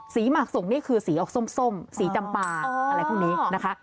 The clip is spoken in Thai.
หมักส่งนี่คือสีออกส้มสีจำปลาอะไรพวกนี้นะคะ